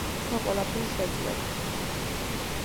ჩვენ ყველაფერს შევძლებთ!!❤️